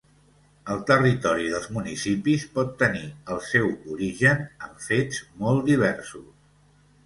El territori dels municipis pot tenir el seu origen en fets molt diversos.